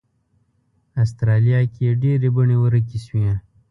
استرالیا کې یې ډېرې بڼې ورکې شوې.